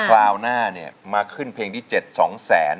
คราวหน้าเนี่ยมาขึ้นเพลงที่๗๒แสน